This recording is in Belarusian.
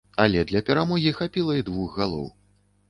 Але для перамогі хапіла і двух галоў.